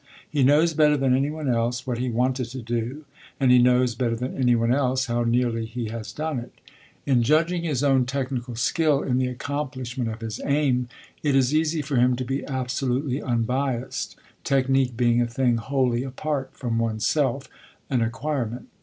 He knows, better than any one else, what he wanted to do, and he knows, better than any one else, how nearly he has done it. In judging his own technical skill in the accomplishment of his aim, it is easy for him to be absolutely unbiased, technique being a thing wholly apart from one's self, an acquirement.